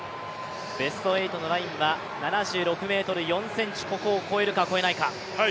ベスト８のラインは７６ｍ４ｃｍ、ここを越えるか越えないか。